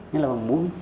như là bằng mũi